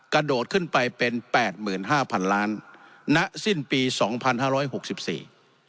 กระโดดขึ้นไปเป็นแปดหมื่นห้าพันล้านณสิ้นปีสองพันห้าร้อยหกสิบสี่